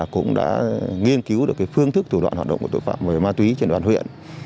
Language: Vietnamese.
cũng đã nghiên cứu được phương thức thủ đoạn hoạt động của tội phạm về ma túy trên đoạn huyện